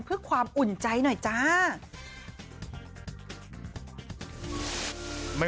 เพื่อความอุ่นใจหน่อยจ้า